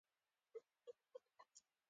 بیزو یو هوښیار حیوان دی.